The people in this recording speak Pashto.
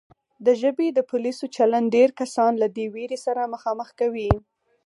د ژبې د پولیسو چلند ډېر کسان له دې وېرې سره مخامخ کوي